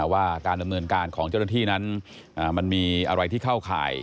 ว่าการดำเนินการของเจ้าหน้าที่นั้นมันมีอะไรที่เข้าข่าย